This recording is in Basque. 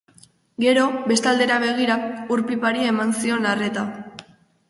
Gero, beste aldera begira, ur-pipari eman zion arreta.